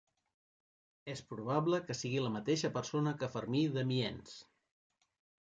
És probable que sigui la mateixa persona que Fermí d'Amiens.